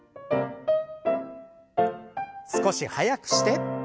少し速くして。